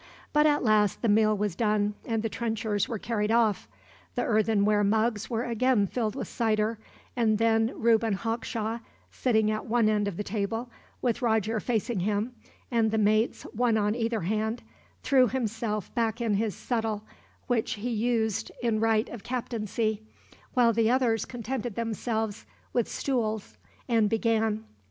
But at last the meal was done, and the trenchers were carried off. The earthenware mugs were again filled with cider, and then Reuben Hawkshaw sitting at one end of the table, with Roger facing him, and the mates one on either hand threw himself back in his settle, which he used in right of captaincy, while the others contented themselves with stools, and began.